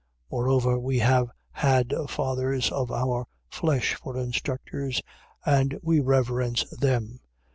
12:9. Moreover, we have had fathers of our flesh for instructors, and we reverenced them.